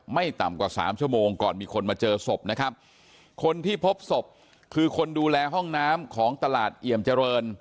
ไม่ต่ำกว่าสามชั่วโมงก่อนมีคนมาเจอศพนะครับคนที่พบศพคือคนดูแลห้องน้ำของตลาดเอี่ยมเจริญ